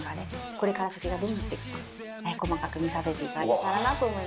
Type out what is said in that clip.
これから先がどうなっていくか細かく見させていただけたらなと思います。